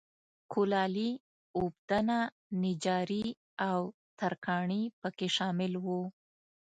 کولالي، اوبدنه، نجاري او ترکاڼي په کې شامل و.